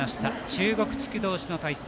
中国地区同士の対戦。